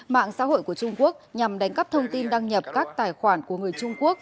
mạng xã hội của trung quốc nhằm đánh cắp thông tin đăng nhập các tài khoản của người trung quốc